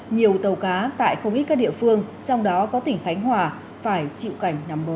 nhiều tàu cá tại không ít các địa phương trong đó có tỉnh khánh hòa phải chịu cảnh nằm bờ